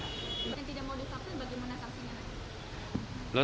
yang tidak mau divaksin bagaimana vaksinnya